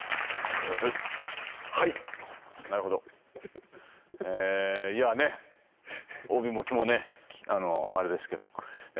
はいなるほどえいやね帯も気もねあのあれですけどえ